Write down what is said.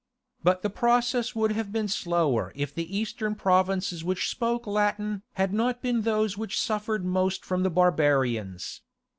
But the process would have been slower if the Eastern provinces which spoke Latin had not been those which suffered most from the barbarians.